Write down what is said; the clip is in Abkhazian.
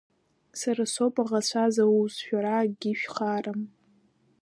Сара соуп аӷацәа зауз, шәара акгьы шәхарам.